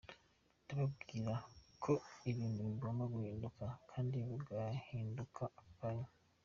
Ndababwira ko ibintu bigomba guhinduka, kandi bigahinduka aka kanya.